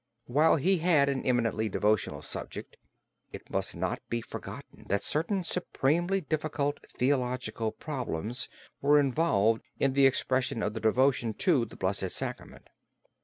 While he had an eminently devotional subject, it must not be forgotten that certain supremely difficult theological problems were involved in the expression of devotion to the Blessed Sacrament.